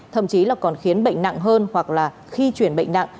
thậm chí là còn khiến bệnh nặng hơn hoặc là khi chuyển bệnh nặng